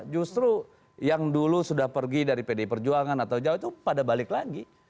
justru yang dulu sudah pergi dari pdi perjuangan atau jauh itu pada balik lagi